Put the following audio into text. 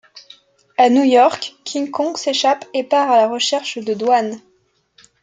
À New York, King Kong s'échappe et part à la recherche de Dwan.